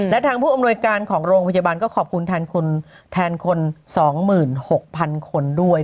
และทางผู้อำนวยการของโรงพยาบาลก็ขอบคุณแทนคน๒๖๐๐๐คนด้วย